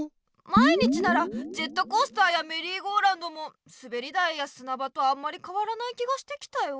毎日ならジェットコースターやメリーゴーラウンドもすべり台やすな場とあんまりかわらない気がしてきたよ。